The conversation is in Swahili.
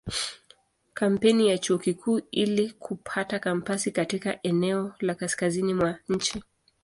Kampeni ya Chuo Kikuu ili kupata kampasi katika eneo la kaskazini mwa nchi.